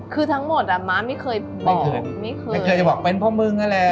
คือทั้งหมดอ่ะม้าไม่เคยบอกไม่เคยไม่เคยจะบอกเป็นเพราะมึงนั่นแหละ